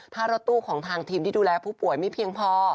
ถ้ารถตู้ของทางทีมที่ดูแลผู้ป่วยไม่เพียงพอ